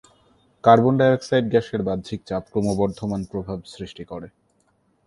Carbon dioxide গ্যাসের বাহ্যিক চাপ ক্রমবর্ধমান প্রভাব সৃষ্টি করে।